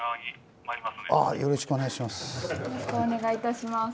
あぁよろしくお願いします。